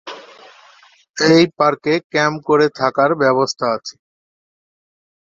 এই পার্কে ক্যাম্প করে থাকার ব্যবস্থা আছে।